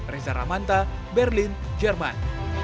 reza ramanta berlin jerman